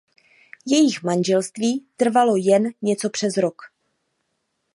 Jejich manželství trvalo jen něco přes rok.